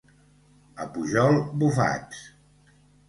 A Pujol, bufats.